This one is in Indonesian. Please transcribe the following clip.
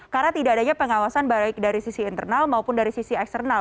karena tidak adanya pengawasan baik dari sisi internal maupun dari sisi eksternal